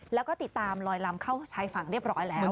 แล้วก็ติดตามลอยลำเข้าชายฝั่งเรียบร้อยแล้ว